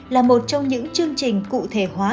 là một trong những chương trình cụ thể hóa